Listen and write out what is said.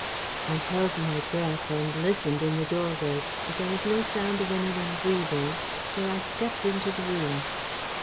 I held my breath and listened in the doorway, but there was no sound of any one breathing, so I stepped into the room.